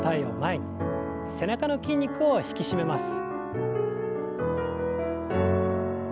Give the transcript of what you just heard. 背中の筋肉を引き締めます。